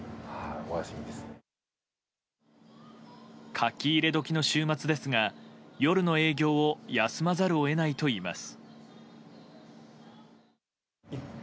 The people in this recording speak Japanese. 書き入れ時の週末ですが夜の営業を休まざるを得ないといいます。